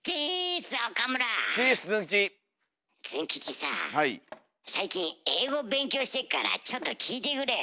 ズン吉さあ最近英語勉強してっからちょっと聞いてくれよ。